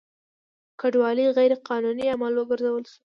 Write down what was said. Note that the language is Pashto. کډوالي غیر قانوني عمل وګرځول شو.